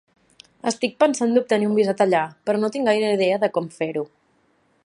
Estic pensant d'obtenir un visat allà, però no tinc gaire idea de com fer-ho.